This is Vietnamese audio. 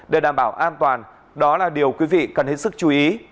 để đảm bảo an toàn đó là điều quý vị cần hết sức chú ý